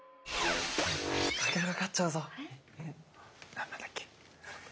何番だっけ？